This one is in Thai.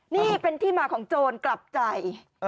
นี่เป็นที่มาของโจรกลับใจ